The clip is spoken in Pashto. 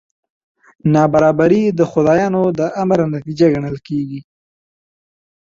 نابرابري د خدایانو د امر نتیجه ګڼل کېږي.